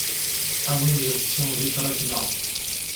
A win yeṭṭsen di tṛakna.